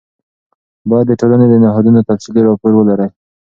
باید د ټولنې د نهادونو تفصیلي راپور ولرئ.